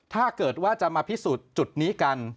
ถ้าเกิดว่าจะมาพิสูจน์จุดนี้กัน